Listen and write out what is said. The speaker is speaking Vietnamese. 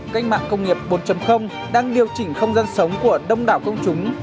cách mạng công nghiệp bốn đang điều chỉnh không gian sống của đông đảo công chúng